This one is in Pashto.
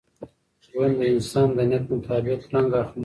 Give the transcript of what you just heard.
ژوند د انسان د نیت مطابق رنګ اخلي.